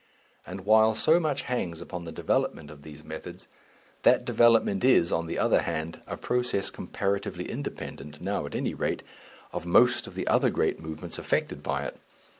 And while so much hangs upon the development of these methods, that development is, on the other hand, a process comparatively independent, now at any rate, of most of the other great movements affected by it.